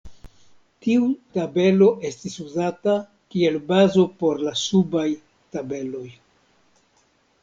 Tiu tabelo estis uzata kiel bazo por la subaj tabeloj.